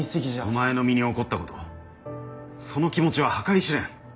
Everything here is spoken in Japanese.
お前の身に起こったことその気持ちは計り知れん。